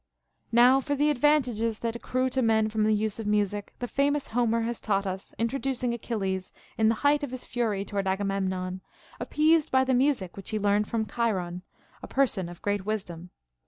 40. Now for the advantages that accrue to men from the use of music, the famous Homer has taught it us, introduc 132 CONCERNING MUSIG ing Achilles, in the height of his fury toward Agamemnon, appeased by the music which he learned from Chiron, a person of great wisdom.